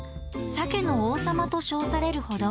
「鮭の王様」と称されるほど。